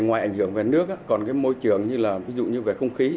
ngoài ảnh hưởng về nước còn cái môi trường như là ví dụ như về không khí